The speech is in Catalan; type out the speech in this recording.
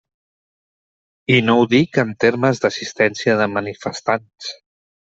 I no ho dic en termes d'assistència de manifestants.